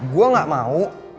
gue gak mau